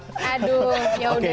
aduh yaudah deh